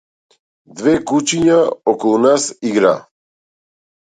Две кучиња околу нас играа.